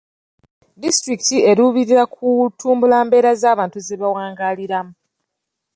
Disitulikiti eruubirira kutumbula mbeera z'abantu ze bawangaaliramu.